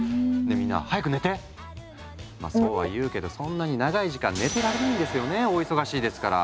みんなまあそうは言うけどそんなに長い時間寝てられないんですよねお忙しいですから。